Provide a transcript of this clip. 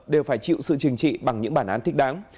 đều phải chịu sự trừng trị bằng những bản án thích đáng